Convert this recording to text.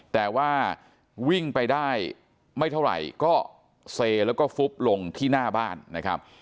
แต่ว่าวิ่งไปได้ไม่เท่าไหร่ก็เซแล้วก็ฟุบลงที่หน้าบ้านนะครับ